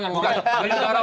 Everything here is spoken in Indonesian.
bukan ke negara awalnya keluar